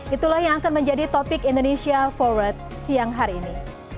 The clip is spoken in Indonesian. itulah yang akan menjadi topik indonesia forward siang hari ini